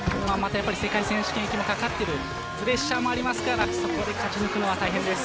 世界選手権も懸かっているのでプレッシャーもありますから勝ち抜くのは大変です。